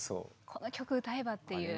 この曲歌えばっていう。